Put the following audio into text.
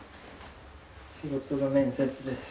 仕事の面接です。